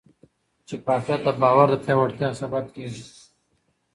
شفافیت د باور د پیاوړتیا سبب کېږي.